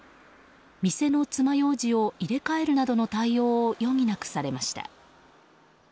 店のつまようじを入れ替えるなどの対応を余儀なくされました。